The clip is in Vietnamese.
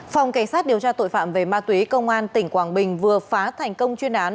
phòng cảnh sát điều tra tội phạm về ma túy công an tỉnh quảng bình vừa phá thành công chuyên án